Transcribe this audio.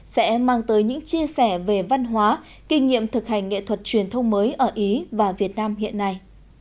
sẽ mang tới những chia sẻ về văn hóa kinh nghiệm thực hành nghệ thuật truyền thông mới ở ý và việt nam hiện nay